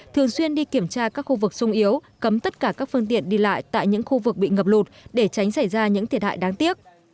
thường xuyên đi kiểm tra các khu vực sung yếu cấm tất cả các phương tiện đi lại tại những khu vực bị ngập lụt để tránh xảy ra những thiệt hại đáng tiếc